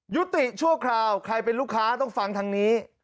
ชั่วคราวใครเป็นลูกค้าต้องฟังทางนี้